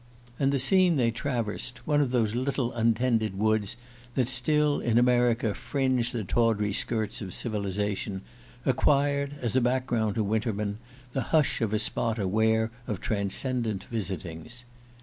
And the scene they traversed one of those little untended woods that still, in America, fringe the tawdry skirts of civilization acquired, as a background to Winterman, the hush of a spot aware of transcendent visitings.